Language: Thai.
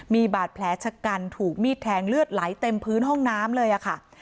มีบาดแผลชะกันถูกมีดแทงเลือดไหลเต็มพื้นห้องน้ำเลยค่ะ